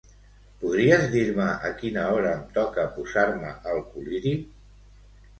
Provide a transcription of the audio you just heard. Podries dir-me a quina hora em toca posar-me el col·liri?